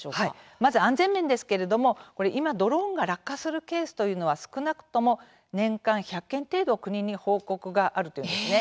まず、安全面ですけれども今、ドローンが落下するケースというのは少なくとも年間１００件程度国に報告があるというんですね。